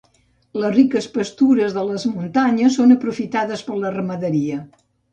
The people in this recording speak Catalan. Les riques pastures de les muntanyes són aprofitades per la ramaderia.